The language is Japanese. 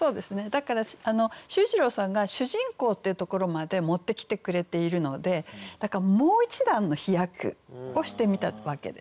だから秀一郎さんが「主人公」っていうところまで持ってきてくれているのでだからもう一段の飛躍をしてみたわけですね。